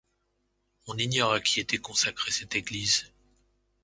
On ignore à qui était consacrée cette église.